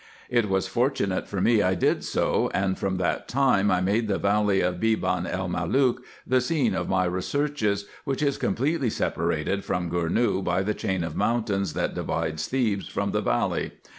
It was fortunate for me I did so, and from that time I made the valley of Beban el Malook the scene of my researches, which is completely separated from Gournou by the chain of mountains, that divides Thebes from the valley.